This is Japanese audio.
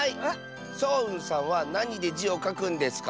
そううんさんはなにで「じ」をかくんですか？